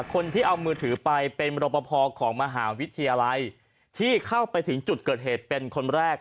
คนที่เอามือถือไปเป็นรปภของมหาวิทยาลัยที่เข้าไปถึงจุดเกิดเหตุเป็นคนแรก